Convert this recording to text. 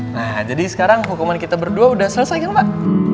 nah jadi sekarang hukuman kita berdua sudah selesai kan pak